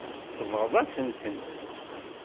Tsebɣeḍ-asen-tent.